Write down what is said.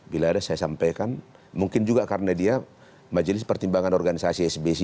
bila ada saya sampaikan mungkin juga karena dia majelis pertimbangan organisasi sbc